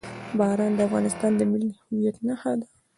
باران د افغانستان د ملي هویت نښه ده.